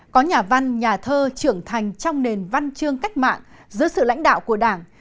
có nhà văn nhà thơ trưởng thành trong nền văn trương cách mạng giữa sự lãnh đạo của đảng